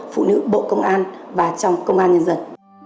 phụ nữ bộ công an và trong công an nhân dân